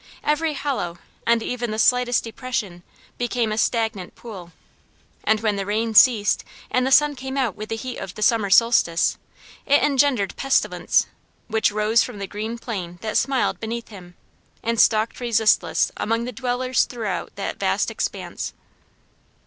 Every hollow and even the slightest depression became a stagnant pool, and when the rains ceased and the sun came out with the heat of the summer solstice, it engendered pestilence, which rose from the green plain that smiled beneath him, and stalked resistless among the dwellers throughout that vast expanse.